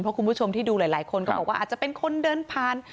เพราะคุณผู้ชมที่ดูหลายคนก็บอกว่าอาจจะเป็นคนเดินผ่าน